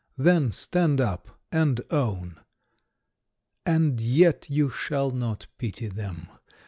Then stand up and own! And yet you shall not pity them